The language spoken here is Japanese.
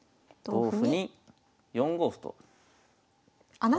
同歩に４五歩と。